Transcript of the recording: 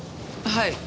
はい。